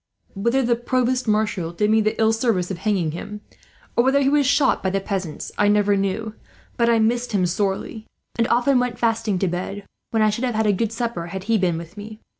Whether a provost marshal did me the ill service of hanging him, or whether he was shot by the peasants, I never knew; but I missed him sorely, and often went fasting to bed, when I should have had a good supper had he been with me.